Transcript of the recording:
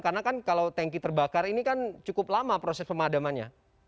karena kan kalau tanki terbakar ini kan cukup lama proses pemadamannya